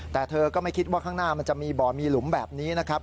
แต่เธอก็ไม่คิดว่าข้างหน้ามันจะมีบ่อมีหลุมแบบนี้นะครับ